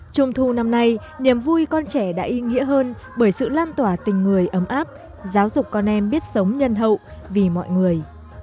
trung thu năm nay niềm vui con trẻ đã ý nghĩa hơn bởi sự lan tỏa tình người ấm áp giáo dục con em biết sống nhân hậu vì mọi người